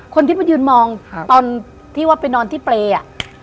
คนที่มายืนมองตอนที่ว่าไปนอนที่เปรย์อ่ะ